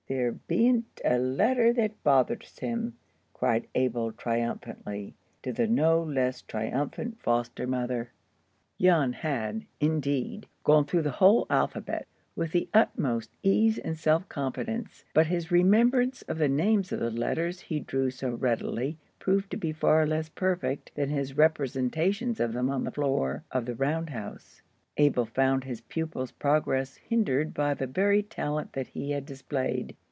"There bean't a letter that bothers him," cried Abel, triumphantly, to the no less triumphant foster mother. Jan had, indeed, gone through the whole alphabet, with the utmost ease and self confidence; but his remembrance of the names of the letters he drew so readily proved to be far less perfect than his representations of them on the floor of the round house. Abel found his pupil's progress hindered by the very talent that he had displayed.